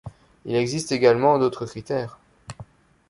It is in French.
Il existe également d'autres critères.